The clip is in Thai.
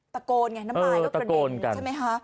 ตะโกนไงน้ำลายก็กระเด็นใช่ไหมคะ